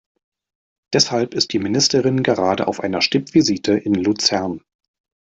Deshalb ist die Ministerin gerade auf einer Stippvisite in Luzern.